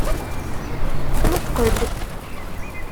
Nṭeq-d!